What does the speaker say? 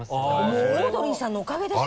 もうオードリーさんのおかげです